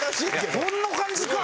こんな感じか！